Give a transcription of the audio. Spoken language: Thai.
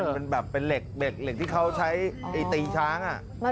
เป็นเหล็กที่เขาใช้ไอ้ตีช้างอะ